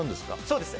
そうです。